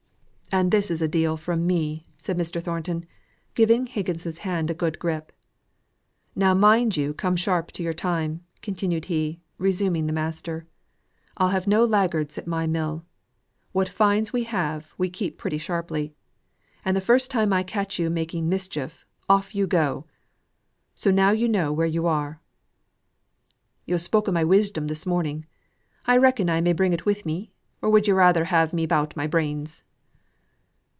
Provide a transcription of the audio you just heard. "And this is a deal from me," said Mr. Thornton, giving Higgins's hand a good grip. "Now mind you come sharp to your time," continued he, resuming the master. "I'll have no laggards at my mill. What fines we have, we keep pretty sharply. And the first time I catch you making mischief, off you go. So now you know where you are." "Yo' spoke of my wisdom this morning. I reckon I may bring it wi' me; or would yo' rayther have me 'bout my brains?"